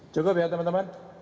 cukup ya teman teman